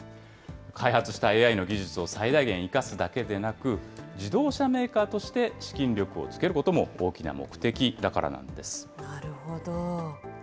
開発したＡＩの技術を最大限生かすだけでなく、自動車メーカーとして資金力をつけることも大きな目的だからなんなるほど。